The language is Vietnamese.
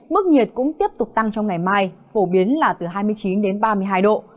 mức nhiệt cũng tiếp tục tăng trong ngày mai phổ biến là từ hai mươi chín đến ba mươi hai độ